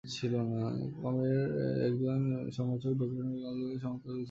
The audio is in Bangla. কমের একজন সমালোচক ব্যাকগ্রাউন্ড স্কোর কাজ নিয়ে সমালোচনা করেছেন এবং উল্লেখ করেছেন।